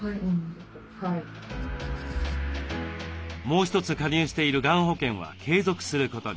もう一つ加入しているがん保険は継続することに。